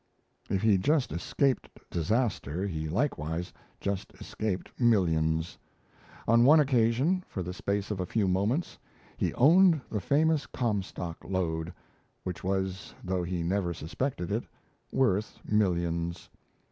If he just escaped disaster, he likewise just escaped millions; on one occasion, for the space of a few moments, he owned the famous Comstock Lode, which was, though he never suspected it, worth millions.